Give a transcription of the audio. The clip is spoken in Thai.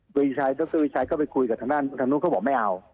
รีชัยดรวิชัยก็ไปคุยกับทางด้านทางนู้นเขาบอกไม่เอา